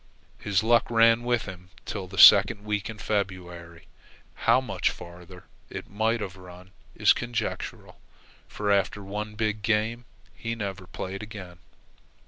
His luck ran with him till the second week in February. How much farther it might have run is conjectural; for, after one big game, he never played again.